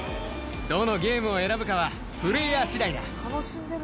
どのゲームを選ぶかはプレーヤー次第だ。